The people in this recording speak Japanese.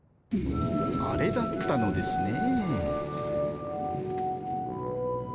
あれだったのですね。